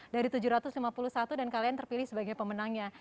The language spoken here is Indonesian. dari tujuh ratus lima puluh satu dan kalian terpilih sebagai pemenangnya